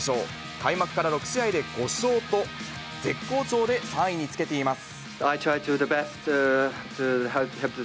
開幕から６試合で５勝と、絶好調で３位につけています。